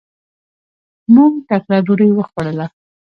مونږ ټکله ډوډي وخوړله.